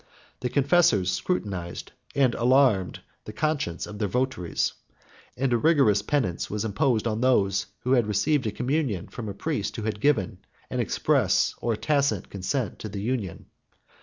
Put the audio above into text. The confessors scrutinized and alarmed the conscience of their votaries, and a rigorous penance was imposed on those who had received the communion from a priest who had given an express or tacit consent to the union.